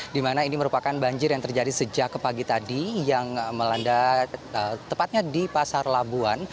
di mana ini merupakan banjir yang terjadi sejak pagi tadi yang melanda tepatnya di pasar labuan